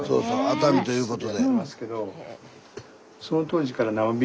熱海ということで。